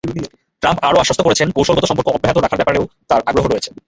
Trump আরও আশ্বস্ত করেছেন, কৌশলগত সম্পর্ক অব্যাহত রাখার ব্যাপারেও তাঁর আগ্রহ রয়েছে।